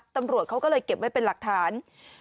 ตำรวจเขาก็เลยเก็บไว้เป็นหลักฐาน